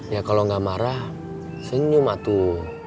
ya kalau gak marah senyum atuh